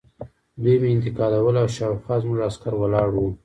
دوی مې انتقالول او شاوخوا زموږ عسکر ولاړ وو